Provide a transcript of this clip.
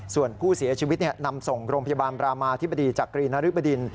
ส่วนผู้เสียชีวิตนำส่งโรงพยาบาลบรามาธิบดีจากกรีนริบดิน